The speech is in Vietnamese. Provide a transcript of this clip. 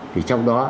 thì trong đó